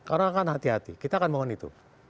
orang akan hati hati kita akan mohon itu